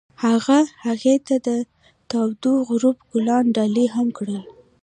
هغه هغې ته د تاوده غروب ګلان ډالۍ هم کړل.